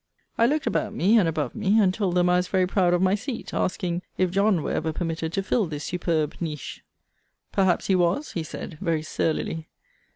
I looked about me, and above me; and told them I was very proud of my seat; asking, if John were ever permitted to fill this superb niche? Perhaps he was, he said, very surlily.